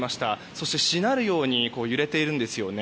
そして、しなるように揺れているんですよね。